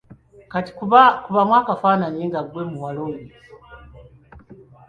Kati kubamu akafaananyi nga ggwe muwala oyo.